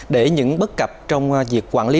để những bất cập trong việc quản lý